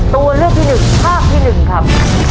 ตัวเลือดที่หนึ่งภาพที่หนึ่งครับ